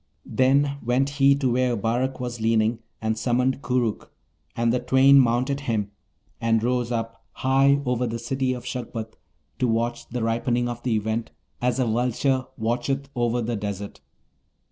Then went he to where Abarak was leaning, and summoned Koorookh, and the twain mounted him, and rose up high over the City of Shagpat to watch the ripening of the Event, as a vulture watcheth over the desert.